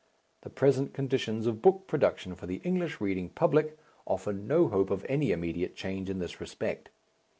The present conditions of book production for the English reading public offer no hope of any immediate change in this respect.